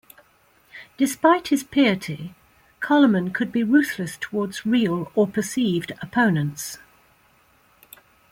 Despite his piety, Carloman could be ruthless towards real or perceived opponents.